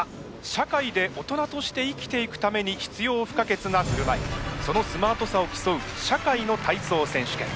社会で大人として生きていくために必要不可欠なふるまいそのスマートさを競う社会の体操選手権。